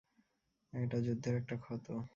এটা যুদ্ধের একটা ক্ষত।